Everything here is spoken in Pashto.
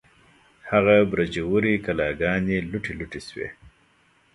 هغه برجورې کلاګانې، لوټې لوټې شوې